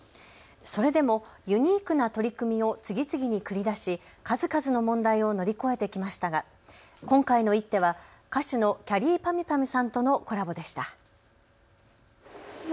それでもユニークな取り組みを次々に繰り出し、数々の問題を乗り越えてきましたが今回の一手は歌手のきゃりーぱみゅぱみゅさんとのコラボでした。